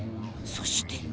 そして